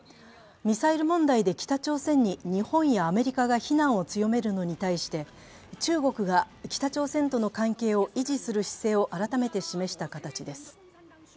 ミサイル問題で北朝鮮に日本やアメリカが非難を強めるのに対して中国が北朝鮮との関係を維持する姿勢を改めて示した形です。